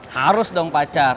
harus dong pacar